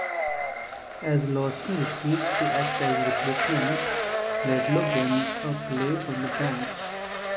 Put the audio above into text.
As Lawson refused to act as replacement, Laidlaw gained a place on the bench.